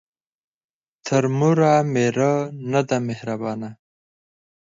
ـ تر موره مېره ،نه ده مهربانه.